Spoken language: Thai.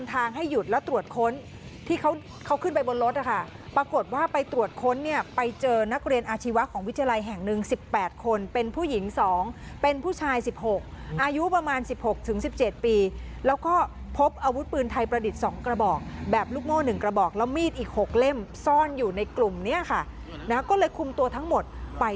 ที่เขาขึ้นไปบนรถค่ะปรากฏว่าไปตรวจค้นเนี่ยไปเจอนักเรียนอาชีวะของวิทยาลัยแห่งนึงสิบแปดคนเป็นผู้หญิงสองเป็นผู้ชายสิบหกอายุประมาณสิบหกถึงสิบเจ็ดปีแล้วก็พบอาวุธปืนไทยประดิษฐ์สองกระบอกแบบลูกโม่หนึ่งกระบอกแล้วมีดอีกหกเล่มซ่อนอยู่ในกลุ่มเนี่ยค่ะก็เลยคุมตัวทั้งหมดไป